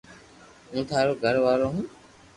ھون ٿارو گھر وارو ھون